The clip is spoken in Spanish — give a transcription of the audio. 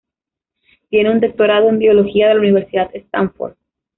Tiene un doctorado en biología de la Universidad Stanford.